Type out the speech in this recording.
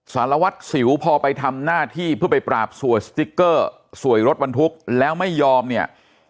สารวัตรสิวพอไปทำหน้าที่เพื่อไปปราบสวยสติ๊กเกอร์สวยรถบรรทุกแล้วไม่ยอมเนี่ย